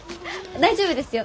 大丈夫ですよ。